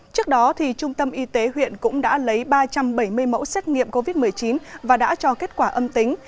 trước đó trung tâm y tế huyện cũng đã lấy ba trăm bảy mươi mẫu xét nghiệm covid một mươi chín và đã cho kết quả âm tính